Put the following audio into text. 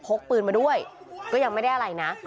กปืนมาด้วยก็ยังไม่ได้อะไรนะ